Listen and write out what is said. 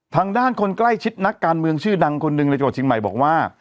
ทางด้านคนใกล้ชิดนักการเมืองชื่อดังคนหนึ่งในจังหวัดเชียงใหม่บอกว่า